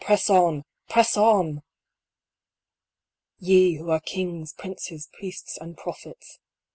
Press on press on ! IV. Ye, who are kings, princes, priests, and prophets.